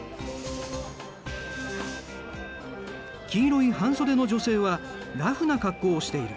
黄色い半袖の女性はラフな格好をしている。